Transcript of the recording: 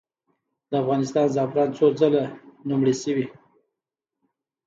د افغانستان زعفران څو ځله لومړي شوي؟